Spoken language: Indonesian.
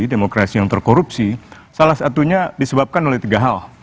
demokrasi yang terkorupsi salah satunya disebabkan oleh tiga hal